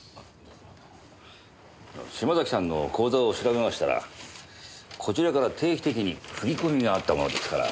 島崎さんの口座を調べましたらこちらから定期的に振り込みがあったものですから。